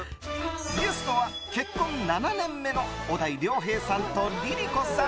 ゲストは結婚７年目の小田井涼平さんとＬｉＬｉＣｏさん。